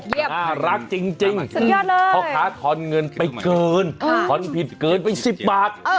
เยี่ยมสุดยอดเลยน่ารักจริงพ่อค้าทอนเงินไปเกินทอนผิดเกินไปสิบบาท